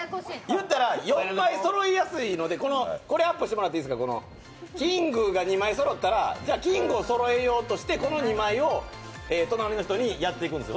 言ったら、４枚、そろいやすいのでこのキングが２枚そろったらじゃあ、キングをそろえようとしてこの２枚を隣の人にやっていくんです。